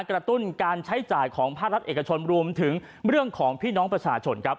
กระตุ้นการใช้จ่ายของภาครัฐเอกชนรวมถึงเรื่องของพี่น้องประชาชนครับ